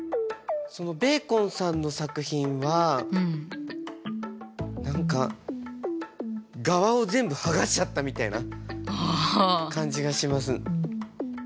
ベーコンさんの作品は何かがわを全部剥がしちゃったみたいな感じがします。